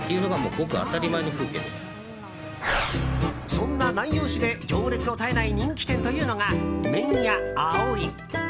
そんな南陽市で行列の絶えない人気店というのが麺屋葵。